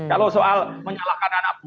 kalau soal menyalahkan anak